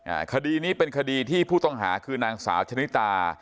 อ่าคดีนี้เป็นคดีที่ผู้ต้องหาคือนางสาวชนิตา